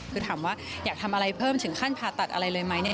คือถามว่าอยากทำอะไรเพิ่มถึงขั้นผ่าตัดอะไรเลยไหม